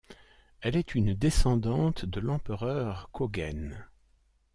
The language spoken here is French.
Elle est une descendante de l'empereur Kōgen.